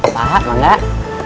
pahat mah enggak